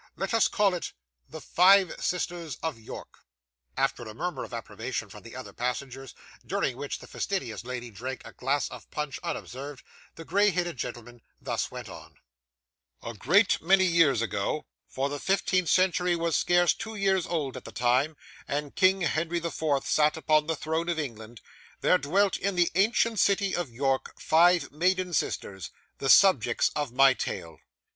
Let us call it THE FIVE SISTERS OF YORK After a murmur of approbation from the other passengers, during which the fastidious lady drank a glass of punch unobserved, the grey headed gentleman thus went on: 'A great many years ago for the fifteenth century was scarce two years old at the time, and King Henry the Fourth sat upon the throne of England there dwelt, in the ancient city of York, five maiden sisters, the subjects of my tale.